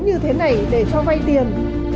như thế này để cho vay tiền